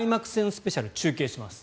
スペシャル中継します。